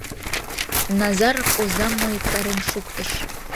Назаров озам нойыктарен шуктыш.